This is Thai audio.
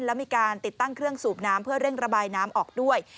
แล้วมีการติดตั้งเครื่องสูบน้ำเพื่อเร่งระบายน้ำออกด้วย